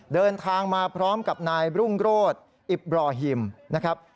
เดินทางมาพร้อมกับนายรุ่งโรธอิบบรอฮิมนะครับ